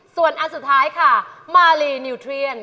ส่วนอันสุดท้ายค่ะมาลีนิวเทียน